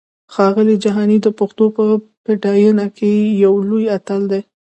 ښاغلی جهاني د پښتو په پډاینه کې یو لوی اتل دی!